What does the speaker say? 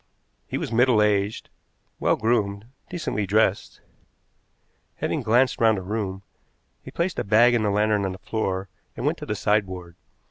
He was middle aged, well groomed, decently dressed. Having glanced round the room, he placed a bag and the lantern on the floor and went to the sideboard.